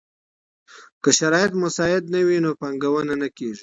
که شرايط مساعد نه وي نو پانګونه نه کيږي.